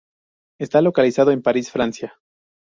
Está localizado en París, Francia.